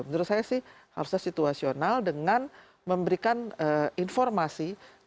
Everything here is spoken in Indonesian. menurut saya sih harusnya situasional dengan memberikan informasi